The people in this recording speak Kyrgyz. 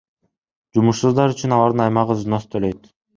Жумушсуздар үчүн алардын аймагы взнос төлөйт.